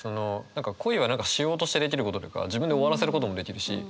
「恋」はしようとしてできることというか自分で終わらせることもできるし。